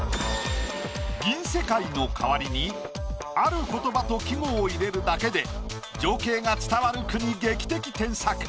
「銀世界」の代わりにある言葉と季語を入れるだけで情景が伝わる句に劇的添削。